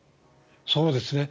そうですね。